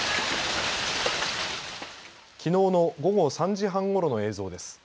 きのうの午後３時半ごろの映像です。